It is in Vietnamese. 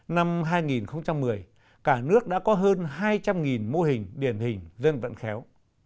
năm hai nghìn một mươi cả nước đã có hơn hai trăm linh mô hình điển hình dân vận khéo